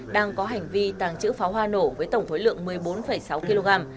đang có hành vi tàng trữ pháo hoa nổ với tổng thối lượng một mươi bốn sáu kg